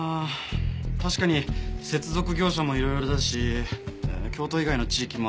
確かに接続業者も色々だし京都以外の地域もあるし。